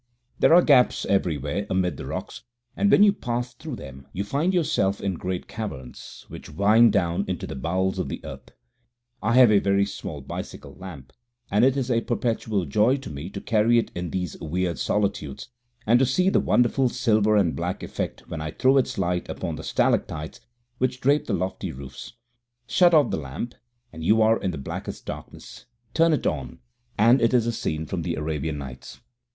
There are gaps everywhere amid the rocks, and when you pass through them you find yourself in great caverns, which wind down into the bowels of the earth. I have a small bicycle lamp, and it is a perpetual joy to me to carry it into these weird solitudes, and to see the wonderful silver and black effect when I throw its light upon the stalactites which drape the lofty roofs. Shut off the lamp, and you are in the blackest darkness. Turn it on, and it is a scene from the Arabian Nights.